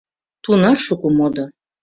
Тунар шуко модо!..